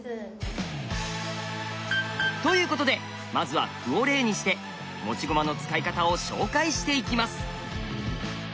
ということでまずは歩を例にして持ち駒の使い方を紹介していきます。